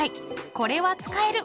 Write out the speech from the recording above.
これは使える！